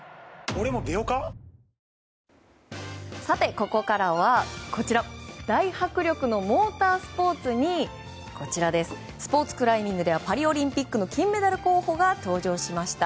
ここからは大迫力のモータースポーツにスポーツクライミングではパリオリンピックの金メダル候補が登場しました。